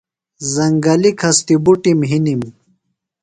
زنگلیۡ کھستِی بُٹِم ہِنِم۔